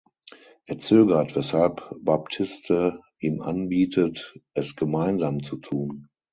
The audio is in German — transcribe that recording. Er zögert, weshalb Baptiste ihm anbietet, es gemeinsam zu tun.